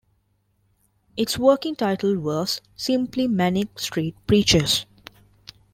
Its working title was simply "Manic Street Preachers".